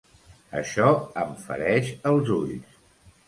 Això em fereix els ulls.